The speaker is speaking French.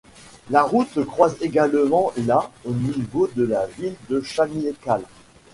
La route croise également la au niveau de la ville de Chamical.